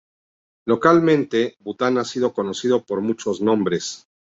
Localmente, Bután ha sido conocido por muchos nombres.